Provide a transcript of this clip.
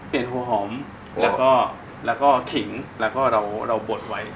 หัวหอมแล้วก็ขิงแล้วก็เราบดไว้